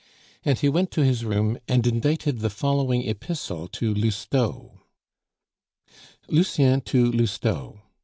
And he went to his room, and indited the following epistle to Lousteau: _Lucien to Lousteau.